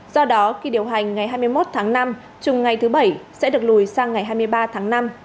do đó kỳ điều hành ngày hai mươi một tháng năm trùng ngày thứ bảy sẽ được lùi sang ngày hai mươi ba tháng năm